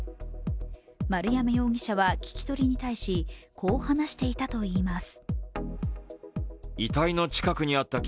丸山容疑者は聞き取りに対しこう話していたといいます。